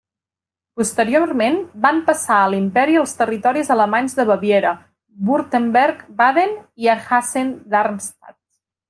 Posteriorment van passar a l'imperi els territoris alemanys de Baviera, Württemberg, Baden i Hessen-Darmstadt.